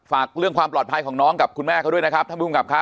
ฝากเรื่องความปลอดภัยของน้องกับคุณแม่เขาด้วยนะครับท่านภูมิกับครับ